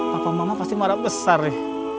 bapak mama pasti marah besar nih